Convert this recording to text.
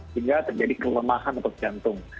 hingga terjadi kelemahan untuk jantung